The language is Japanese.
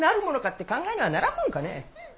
って考えにはならんもんかね。